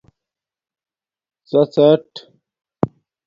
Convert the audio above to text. ڎڎاٹ